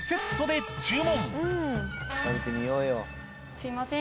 すいません。